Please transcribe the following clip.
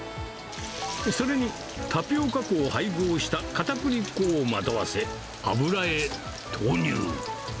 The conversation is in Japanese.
それにタピオカ粉を配合したかたくり粉をまとわせ、油へ投入。